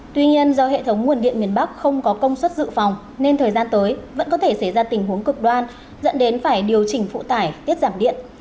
tuy nhiên do hệ thống nguồn điện miền bắc không có công suất dự phòng nên thời gian tới vẫn có thể xảy ra tình huống cực đoan dẫn đến phải điều chỉnh phụ tải tiết giảm điện